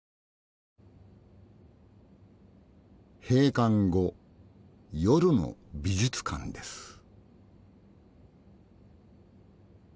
閉館後夜の美術館です。